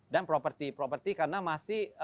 dan properti properti karena masih